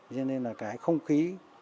cho nên là cái không khí